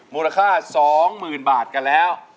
มูลค่า๒๐๐๐บาทกันแล้ว